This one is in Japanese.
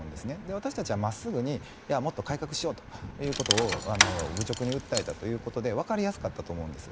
私たちは真っすぐにもっと改革をしようということを愚直に訴えたということで分かりやすかったと思います。